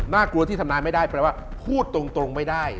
น่ากลัวที่ทำนายไม่ได้มันแล้วพูดตรงไม่ได้